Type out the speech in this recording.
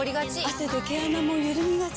汗で毛穴もゆるみがち。